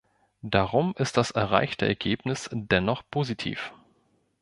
Darum ist das erreichte Ergebnis dennoch positiv.